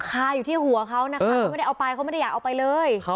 คาอยู่ที่หัวเขานะคะเขาไม่ได้เอาไปเขาไม่ได้อยากเอาไปเลย